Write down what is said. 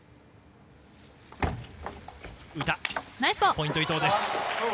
ポイント、伊藤です。